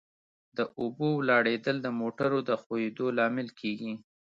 د اوبو ولاړېدل د موټرو د ښوئیدو لامل کیږي